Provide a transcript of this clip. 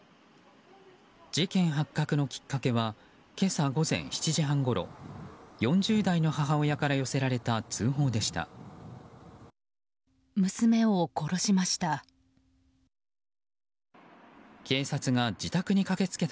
事件発覚のきっかけは今朝午前７時半ごろ４０代の母親から寄せられた通報でした。